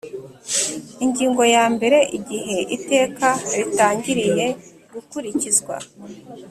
Ingingo ya mbere Igihe iteka ritangiriye gukurikizwa